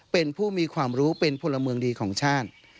เป็นผู้มีความรู้เป็นพลเมืองดีของชาติ